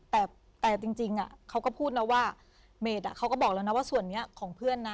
แต่จริงเขาก็บอกแล้วแล้วว่าส่วนนี้ง่ายของเพื่อนนะ